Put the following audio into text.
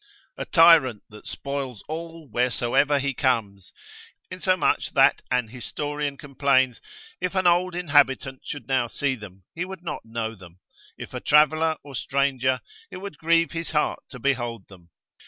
A tyrant that spoils all wheresoever he comes, insomuch that an historian complains, if an old inhabitant should now see them, he would not know them, if a traveller, or stranger, it would grieve his heart to behold them.